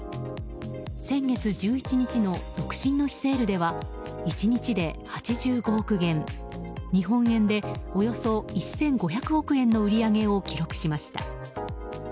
先月１１日の独身の日セールでは１日で８５億元日本円でおよそ１５００億円の売り上げを記録しました。